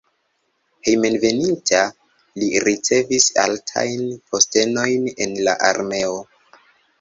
Hejmenveninta li ricevis altajn postenojn en la armeo.